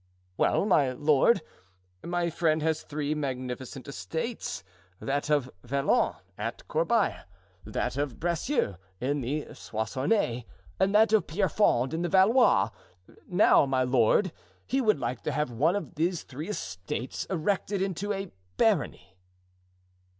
"Well, my lord, my friend has three magnificent estates: that of Vallon, at Corbeil; that of Bracieux, in the Soissonais; and that of Pierrefonds, in the Valois. Now, my lord, he would like to have one of his three estates erected into a barony."